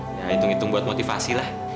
ya hitung hitung buat motivasi lah